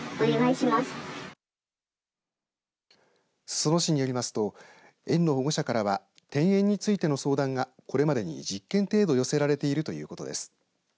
裾野市によりますと園の保護者からは転園についての相談が、これまでに１０件程度寄せられているということです。